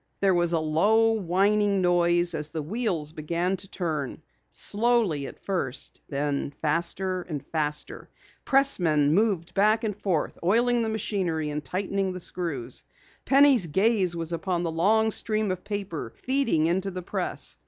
There was a low, whining noise as the wheels began to turn, slowly at first, then faster and faster. Pressmen moved back and forth, oiling the machinery and tightening screws. Penny's gaze was upon the long stream of paper feeding into the press.